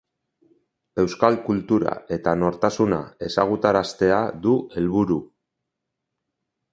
Euskal kultura eta nortasuna ezagutaraztea du helburu.